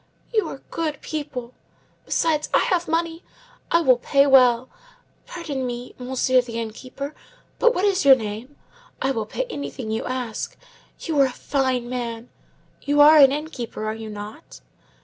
You are good people. Besides, I have money. I will pay well. Pardon me, monsieur the inn keeper, but what is your name? I will pay anything you ask. You are a fine man. You are an inn keeper, are you not?"